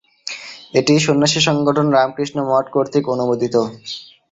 এটি সন্ন্যাসী সংগঠন রামকৃষ্ণ মঠ কর্তৃক অনুমোদিত।